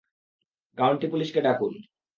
County পুলিশকে ডাকুন।